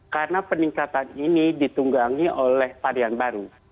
karena peningkatan ini ditunggangi oleh varian baru